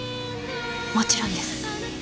もちろんです。